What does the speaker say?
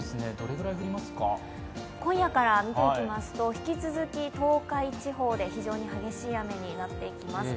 今夜から見ていきますと引き続き東海地方で非常に激しい雨になっています。